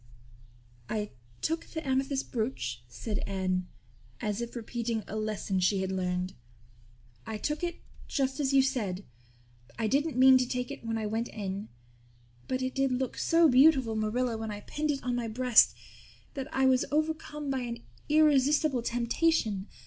"I took the amethyst brooch," said Anne, as if repeating a lesson she had learned. "I took it just as you said. I didn't mean to take it when I went in. But it did look so beautiful, Marilla, when I pinned it on my breast that I was overcome by an irresistible temptation.